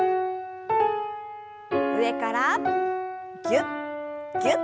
上からぎゅっぎゅっと。